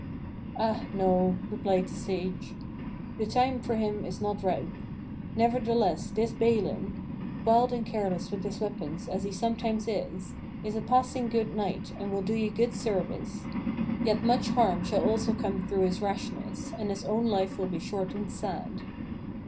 "Ah no," replied the Sage, "the time for him is not ripe. Never theless this Balin, wild and careless with his weapons as he sometimes is, is a passing good knight and will do you good service; yet much 98 THE STORY OF KING ARTHUR harm shall also come through his rashness, and his own life will be short and sad."